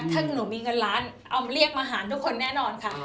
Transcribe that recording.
ถ้าหนูมีเงินล้านเอาเรียกมาหาทุกคนแน่นอนค่ะ